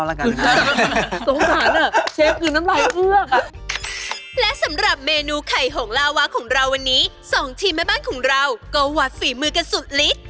และสำหรับเมนูไข่หงลาวะของเราวันนี้๒ทีมแม่บ้านของเราก็หวัดฝีมือกันสุดลิด